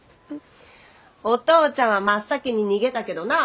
お父ちゃんは真っ先に逃げたけどな。